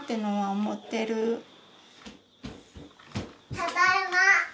ただいま。